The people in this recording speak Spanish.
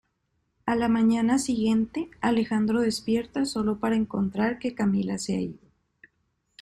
A la mañana siguiente, Alejandro despierta sólo para encontrar que Camila se ha ido.